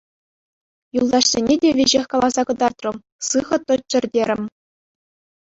Юлташсене те веҫех каласа кӑтартрӑм, сыхӑ тӑччӑр терӗм.